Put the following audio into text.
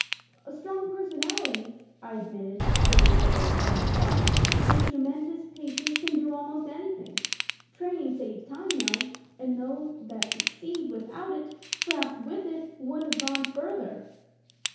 "A strong personality," I admitted, very liberally, as I thought, "with tremendous patience can do almost anything. Training saves time though, and those that succeed without it, perhaps with it would have gone further."